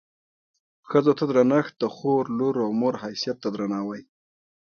ښځو ته درنښت د خور، لور او مور حیثیت ته درناوی.